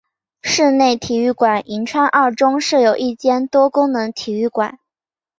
室内体育馆银川二中设有一间多功能体育馆。